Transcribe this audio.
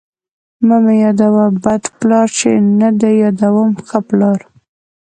ـ مه مې يادوه بد پلار، چې نه دې يادوم ښه پلار.